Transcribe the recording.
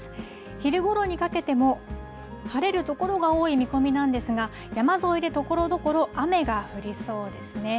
昼ごろにかけても、晴れる所が多い見込みなんですが、山沿いでところどころ、雨が降りそうですね。